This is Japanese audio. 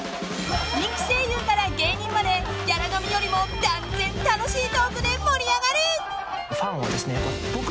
［人気声優から芸人までギャラ飲みよりも断然楽しいトークで盛り上がる］